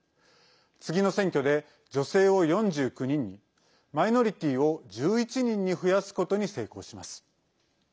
次の選挙で女性を４９人にマイノリティーを１１人に増やすことに成功します。